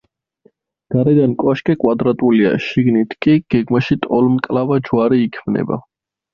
გარედან კოშკი კვადრატულია, შიგნით კი, გეგმაში ტოლმკლავა ჯვარი იქმნება.